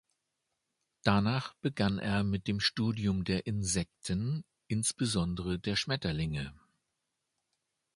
Danach begann er mit dem Studium der Insekten, insbesondere der Schmetterlinge.